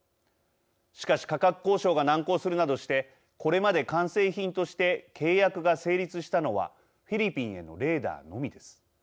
しかし価格交渉が難航するなどしてこれまで完成品として契約が成立したのはフィリピンへのレーダーのみです。